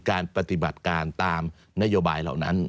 การปฏิบัติการตามนโยบายเหล่านั้น